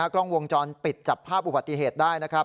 กล้องวงจรปิดจับภาพอุบัติเหตุได้นะครับ